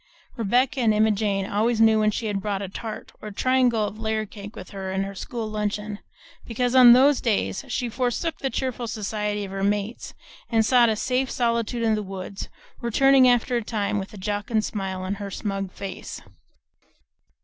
Rebecca and Emma Jane always knew when she had brought a tart or a triangle of layer cake with her school luncheon, because on those days she forsook the cheerful society of her mates and sought a safe solitude in the woods, returning after a time with a jocund smile on her smug face.